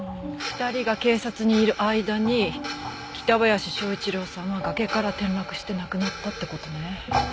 ２人が警察にいる間に北林昭一郎さんは崖から転落して亡くなったって事ね。